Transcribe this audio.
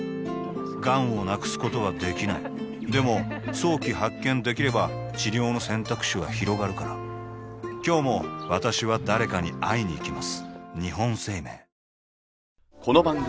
がんを無くすことはできないでも早期発見できれば治療の選択肢はひろがるから今日も私は誰かに会いにいきます